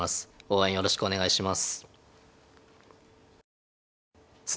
応援よろしくお願いします。